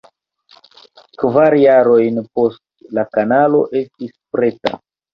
Kvar jarojn poste la kanalo estis preta.